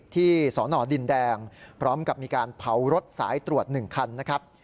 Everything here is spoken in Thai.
สนดินแดงพร้อมกับมีการเผารถสายตรวจ๑คันนะครับ